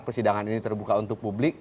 persidangan ini terbuka untuk publik